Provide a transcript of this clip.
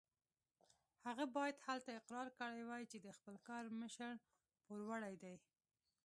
هغه باید هلته اقرار کړی وای چې د خپل کار مشر پوروړی دی.